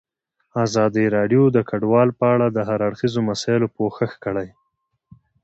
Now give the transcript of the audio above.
ازادي راډیو د کډوال په اړه د هر اړخیزو مسایلو پوښښ کړی.